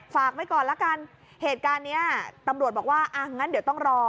ฝากไว้ก่อนละกันเหตุการณ์เนี้ยตำรวจบอกว่าอ่ะงั้นเดี๋ยวต้องรอ